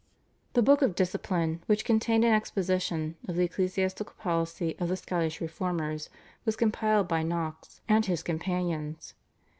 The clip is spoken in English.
/The Book of Discipline/ which contained an exposition of the ecclesiastical policy of the Scottish Reformers was compiled by Knox and his companions.